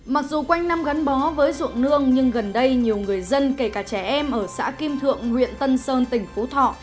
mặc dù quanh năm gắn bó với ruộng nương nhưng gần đây nhiều người dân kể cả trẻ em ở xã kim thượng huyện tân sơn tỉnh phú thọ